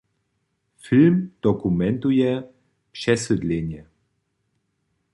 Film dokumentuje přesydlenje.